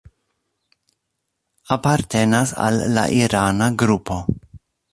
Apartenas al la irana grupo.